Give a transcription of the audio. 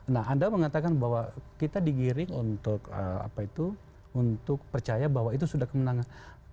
nah anda mengatakan bahwa kita digiring untuk percaya bahwa itu sudah kemenangan